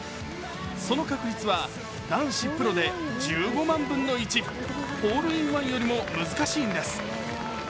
その確率は男子プロで１５万分の１、ホールインワンより難しいんです。